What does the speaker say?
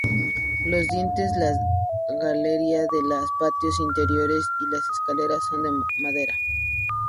Los dinteles, las galerías de los patios interiores y las escaleras son de madera.